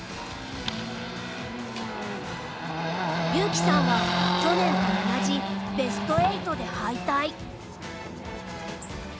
優希さんは去年と同じベスト８で敗退。